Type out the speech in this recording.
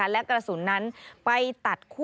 และกระสุนนั้นไปตัดคู่